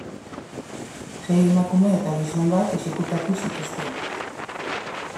Sei emakume eta gizon bat exekutatu zituzten.